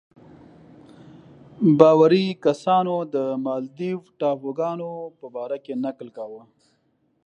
باوري کسانو د مالدیو ټاپوګانو په باره کې نکل کاوه.